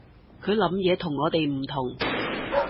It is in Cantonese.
佢諗嘢同我哋唔同